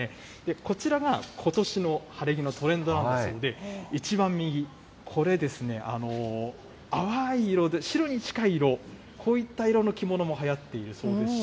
こちらがことしの晴れ着のトレンドなんだそうで、一番右、これですね、淡い色で、白に近い色、こういった色の着物もはやっているそうですし。